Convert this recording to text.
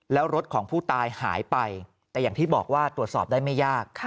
แล้วรถของผู้ตายหายไปแต่อย่างที่บอกว่าตรวจสอบได้ไม่ยาก